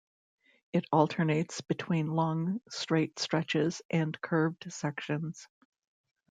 It alternates between long straight stretches and curved sections.